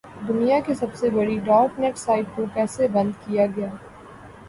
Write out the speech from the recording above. دنیا کی سب سے بڑی ڈارک نیٹ سائٹ کو کیسے بند کیا گیا؟